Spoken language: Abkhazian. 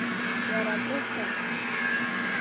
Уара крыфа!